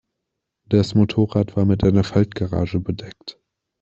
Das Motorrad war mit einer Faltgarage bedeckt.